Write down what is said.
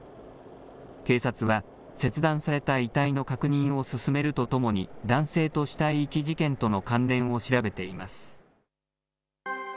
警察は切断された遺体の確認を進めるとともに、男性と死体遺棄事件との関連を調べています。